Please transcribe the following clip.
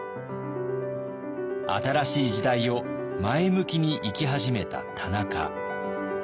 新しい時代を前向きに生き始めた田中。